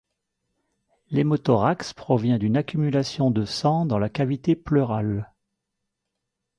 L'hémothorax provient d'une accumulation de sang dans la cavité pleurale.